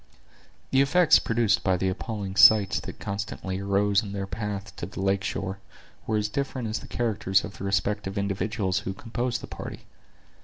The effects produced by the appalling sights that constantly arose in their path to the lake shore, were as different as the characters of the respective individuals who composed the party.